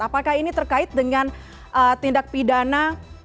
apakah ini terkait dengan tindak pidana